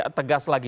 ya lebih tegas lagi